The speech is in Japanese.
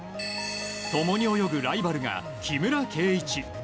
共に泳ぐライバルが木村敬一。